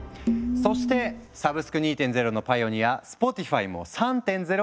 そしてサブスク２．０のパイオニアスポティファイも３．０を目指している。